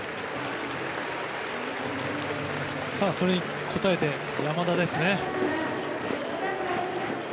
それに応えて山田ですね。